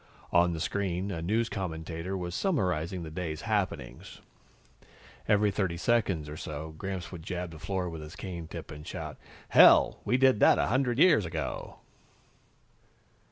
On the screen, a news commentator was summarizing the day's happenings. Every thirty seconds or so, Gramps would jab the floor with his cane tip and shout, "Hell, we did that a hundred years ago!"